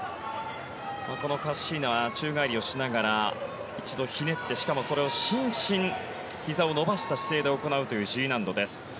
カッシーナは宙返りをしながら一度ひねって、しかもそれを伸身ひざを伸ばした姿勢で行うというＧ難度です。